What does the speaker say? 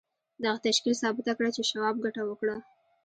دغه تشکیل ثابته کړه چې شواب ګټه وکړه